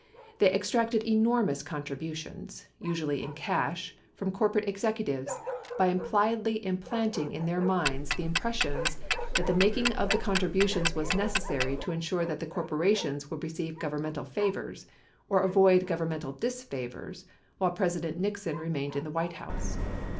They exacted enormous contributions — usually in cash — from cor porate executives by impliedly implanting in their minds the impres sions that the making of the contributions was necessary to insure that the corporations would receive governmental favors, or avoid govern mental disfavors, while President Nixon remained in the White House.